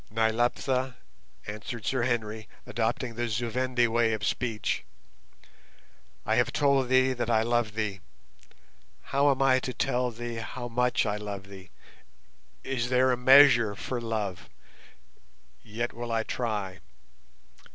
"Nyleptha," answered Sir Henry, adopting the Zu Vendi way of speech; "I have told thee that I love thee; how am I to tell thee how much I love thee? Is there then a measure for love? Yet will I try.